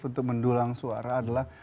untuk mendulang suara adalah